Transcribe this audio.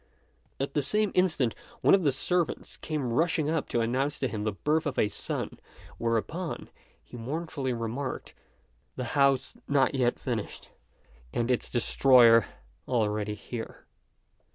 At the same instant one of the servants came rushing up to announce to him the birth of a son; whereupon, he mournfully remarked, "The house not yet finished, and its destroyer already here."